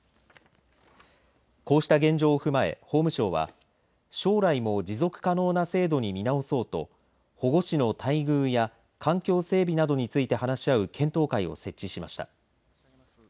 こうした現状を踏まえ、法務省は将来も持続可能な制度に見直そうと保護司の待遇や環境整備などについて話し合う検討会を設置しました。